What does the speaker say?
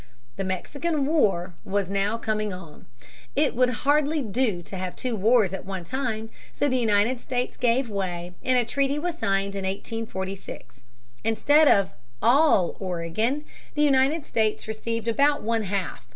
The Mexican War was now coming on. It would hardly do to have two wars at one time. So the United States gave way and a treaty was signed in 1846. Instead of "all Oregon," the United States received about one half.